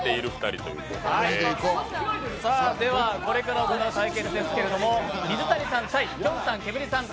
では、これから行う対決ですけれども水谷さんきょんさんケムリさん